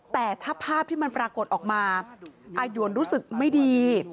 แต่ถ้าภาพที่มันปรากฏออกมาอายวนรู้สึกไม่ดี